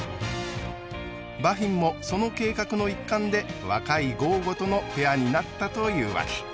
バフィンもその計画の一環で若いゴーゴとのペアになったというわけ。